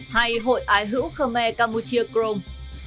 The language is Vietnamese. hay hội ái hữu khmer camuchia chrome